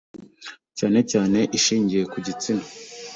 cyane cyane ishingiye ku gistina